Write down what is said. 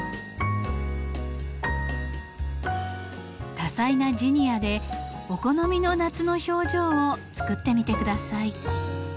多彩なジニアでお好みの夏の表情を作ってみて下さい。